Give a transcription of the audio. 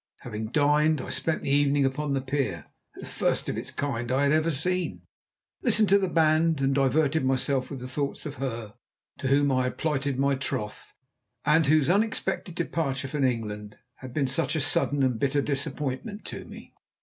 Having dined, I spent the evening upon the pier the first of its kind I had ever seen listened to the band and diverted myself with thoughts of her to whom I had plighted my troth, and whose unexpected departure from England had been such a sudden and bitter disappointment to me.